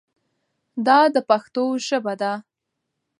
دا د پښتو ژبه ده.